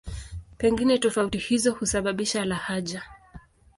Pengine tofauti hizo husababisha lahaja.